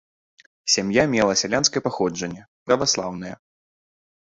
Сям'я мела сялянскае паходжанне, праваслаўныя.